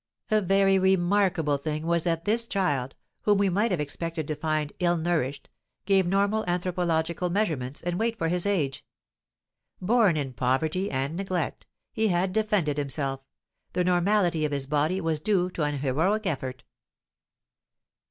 A very remarkable thing was that this child, whom we might have expected to find ill nourished, gave normal anthropological measurements and weight for his age. Born in poverty and neglect, he had defended himself; the normality of his body was due to an heroic effort.